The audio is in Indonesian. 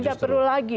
tidak perlu lagi